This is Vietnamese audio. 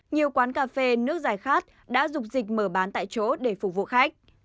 nhiều quán cà phê nước giải khát đã dục dịch mở bán tại chỗ để phục vụ khách